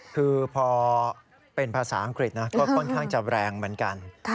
คือพอเป็นภาษาอังกฤษก็ค่อนข้างจะแรงเหมือนกัน